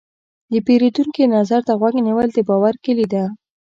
د پیرودونکي نظر ته غوږ نیول، د باور کلي ده.